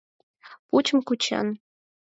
Пучым кучен.